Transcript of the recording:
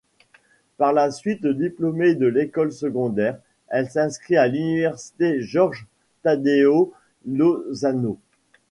Par la suite diplômée de l'école secondaire, elle s'inscrit à l'Université Jorge Tadeo Lozano.